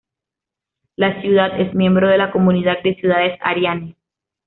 La ciudad es miembro de la Comunidad de Ciudades Ariane.